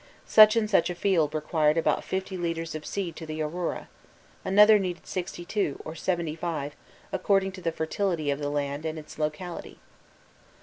Such and such a field required about fifty litres of seed to the arura. Another needed sixty two or seventy five according to the fertility of the land and its locality.